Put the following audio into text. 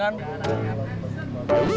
gak ada apa apa